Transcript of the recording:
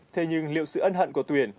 thế nhưng liệu sự ân hận của tuyển